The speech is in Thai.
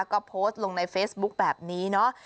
ก็โพสต์ลงในเฟซบุ๊คแบบนี้เนาะ